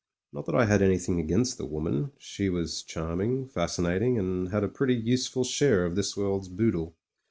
Not that I had an3rthing against the woman: she was charming, fascinating, and had a pretty use ful share of this world's boodle.